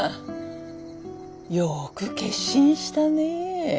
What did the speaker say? よく決心したね。